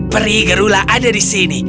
peri gerula ada di sini